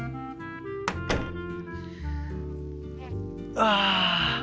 ああ。